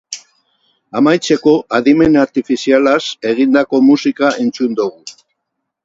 Amaitzeko, adimen artifizialaz egindako musika entzun dugu.